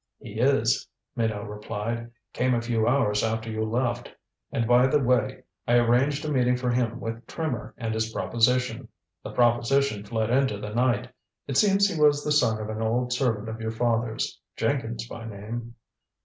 "He is," Minot replied. "Came a few hours after you left. And by the way, I arranged a meeting for him with Trimmer and his proposition. The proposition fled into the night. It seems he was the son of an old servant of your father's Jenkins by name."